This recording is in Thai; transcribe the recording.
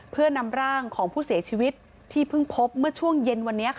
เพื่อนำร่างของผู้เสียชีวิตที่เพิ่งพบเมื่อช่วงเย็นวันนี้